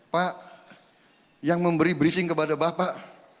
pak yang memberi briefing kepada bapak